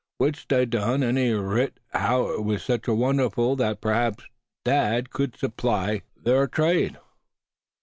W'ich they done, an' writ as how it was sich a wonder thet p'raps dad, he cud supply ther trade.